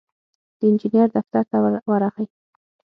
د انجينر دفتر ته ورغی.